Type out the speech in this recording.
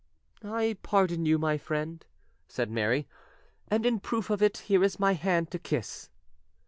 "I pardon you, my friend," said Mary, "and in proof of it, here is my hand to kiss."